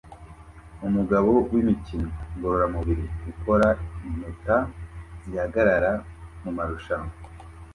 Umugabo wimikino ngororamubiri ukora impeta zihagarara mumarushanwa